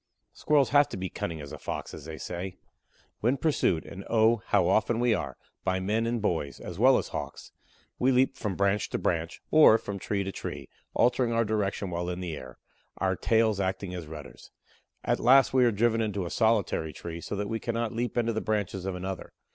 Squirrels have to be "cunning as a Fox," as they say. When pursued and oh, how often we are, by men and boys, as well as Hawks we leap from branch to branch, or from tree to tree, altering our direction while in the air, our tails acting as rudders. At last we are driven into a solitary tree, so that we cannot leap into the branches of another.